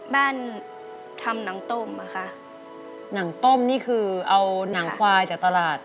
บ้านทำนังต้มอ่ะค่ะหนังต้มนี่คือเอานางควายจากตลาด